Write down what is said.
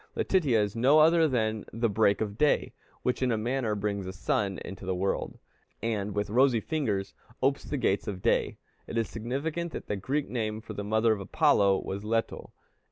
Letitia is no other than the break of day, which in a manner brings the sun into the world, and "with rosy fingers opes the gates of Day." It is significant that the Greek name for the mother of Apollo was Leto.